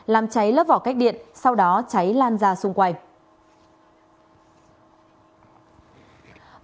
làm cháy lấp vỏ cách điện sau đó cháy lan ra xung quanh